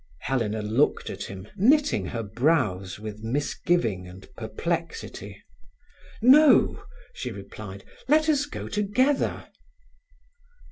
Helena looked at him, knitting her brows with misgiving and perplexity. "No," she replied. "Let us go together."